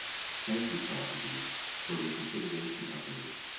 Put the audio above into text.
Thank you, Socrates, for your consideration of me.